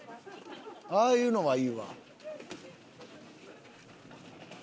ああいうのはいいわ。